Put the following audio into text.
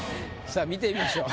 さあ見てみましょう。